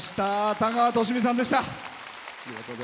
田川寿美さんでした。